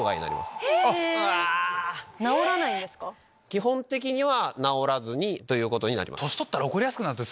基本的には治らずにということになります。